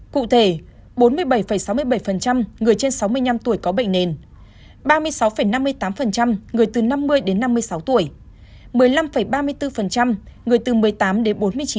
cụ thể bốn mươi bảy sáu mươi bảy người trên sáu mươi năm tuổi có bệnh nền ba mươi sáu năm mươi tám người từ năm mươi đến năm mươi sáu tuổi một mươi năm ba mươi bốn người từ một mươi tám đến bốn mươi chín